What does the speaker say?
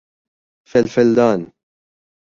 فلفل دان